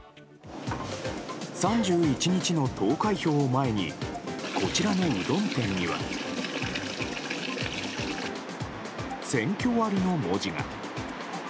３１日の投開票を前にこちらのうどん店には選挙割の文字が。